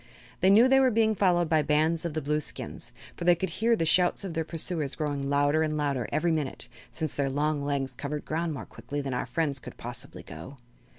They knew they were being followed by bands of the Blueskins, for they could hear the shouts of their pursuers growing louder and louder every minute, since their long legs covered the ground more quickly than our friends could possibly go.